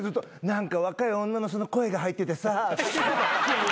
「何か若い女の人の声が入っててさ」